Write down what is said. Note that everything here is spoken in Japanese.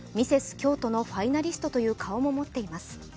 京都のファイナリストという顔も持っています。